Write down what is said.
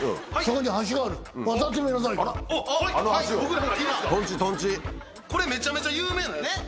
これめちゃめちゃ有名なやつ。